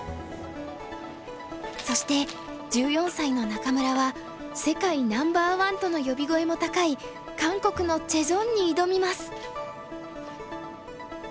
そして１４歳の仲邑は世界ナンバーワンとの呼び声も高い韓国のチェ・ジョンに挑みます。